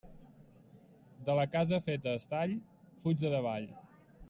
De la casa feta a estall, fuig de davall.